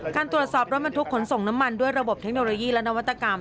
การตรวจสอบรถบรรทุกขนส่งน้ำมันด้วยระบบเทคโนโลยีและนวัตกรรม